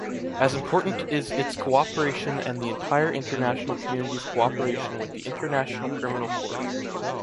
As important is its cooperation and the entire international community’s cooperation with the International Criminal Court.